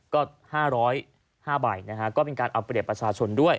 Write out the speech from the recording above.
ก็๕๐๐บาท๕ใบนะฮะก็เป็นการอัปเดตประชาชนด้วย